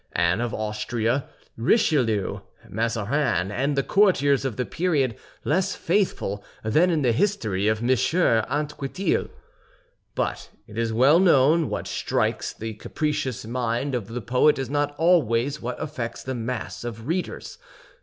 Anne of Austria, Richelieu, Mazarin, and the courtiers of the period, less faithful than in the history of M. Anquetil. But, it is well known, what strikes the capricious mind of the poet is not always what affects the mass of readers.